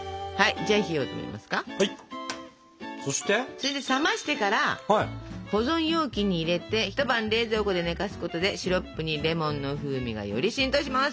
それで冷ましてから保存容器に入れて一晩冷蔵庫で寝かすことでシロップにレモンの風味がより浸透します！